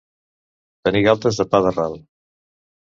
Tenir galtes de pa de ral.